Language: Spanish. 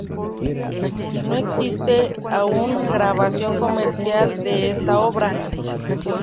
No existe aún grabación comercial de esta obra.